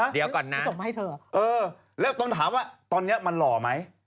เดี๋ยวก่อนนะเอ้อแล้วก็ต้องถามว่าตอนนี้มันหล่อไหม